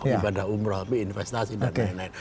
ibadah umroh investasi dan lain lain